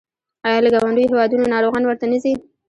آیا له ګاونډیو هیوادونو ناروغان ورته نه ځي؟